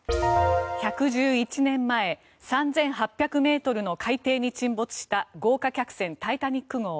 １１１年前３８００ｍの海底に沈没した豪華客船「タイタニック号」。